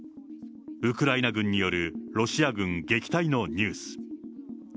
ウクライナ軍によるロシア軍撃退のニュース。